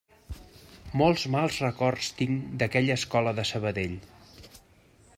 Molts mals records tinc d'aquella escola de Sabadell.